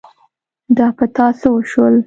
دا په تا څه وشول ؟